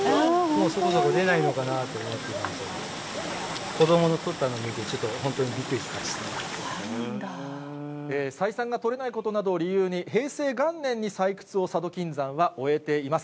もう出ないのかなと思ったけど、子どもの取ったのを見て、本当、ちょっとびっくりしました採算が取れないことなどを理由に、平成元年に採掘を佐渡金山は終えています。